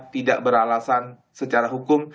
tidak beralasan secara hukum